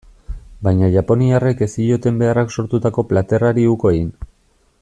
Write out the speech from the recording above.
Baina japoniarrek ez zioten beharrak sortutako plater hari uko egin.